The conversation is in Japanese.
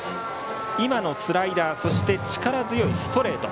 今のスライダー力強いストレート